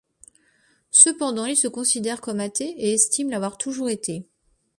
Cependant, il se considère comme athée et estime l'avoir toujours été.